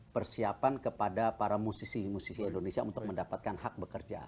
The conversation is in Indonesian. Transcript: persiapan kepada para musisi musisi indonesia untuk mendapatkan hak bekerja